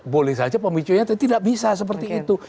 boleh saja pemicunya tidak bisa seperti itu